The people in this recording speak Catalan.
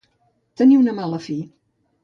Tenir una mala fi.